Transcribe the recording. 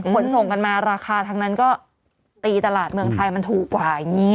ขนส่งกันมาราคาทั้งนั้นก็ตีตลาดเมืองไทยมันถูกกว่าอย่างนี้